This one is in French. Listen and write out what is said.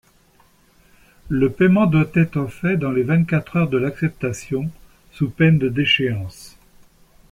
Le paiement doit être fait dans les vingt-quatre-heures de l'acceptation, sous peine de déchéance.